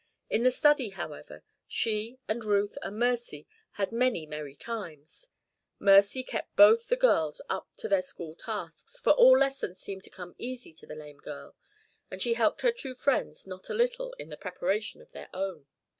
In the study, however, she and Ruth and Mercy had many merry times. Mercy kept both the other girls up to their school tasks, for all lessons seemed to come easy to the lame girl and she helped her two friends not a little in the preparation of their own.